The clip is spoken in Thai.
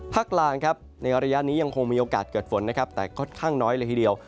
กลางครับในระยะนี้ยังคงมีโอกาสเกิดฝนนะครับแต่ค่อนข้างน้อยเลยทีเดียว